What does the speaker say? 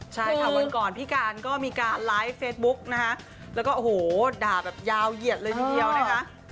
ใช่ค่ะวันก่อนพี่การก็มีการไลฟ์เฟซบุ๊กนะคะแล้วก็โอ้โหด่าแบบยาวเหยียดเลยทีเดียวนะคะ